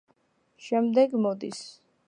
შემდეგ მოდის.